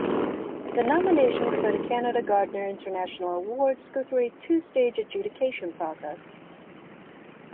The nominations for the Canada Gairdner International Awards go through a two-stage adjudication process.